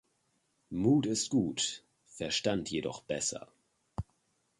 Mut ist gut, Verstand jedoch besser.